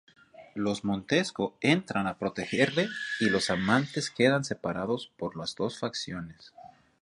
Los Montesco entran a protegerle y los amantes quedan separados por las dos facciones.